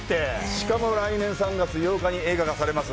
しかも来年３月８日に映画化されます。